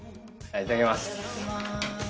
いただきます。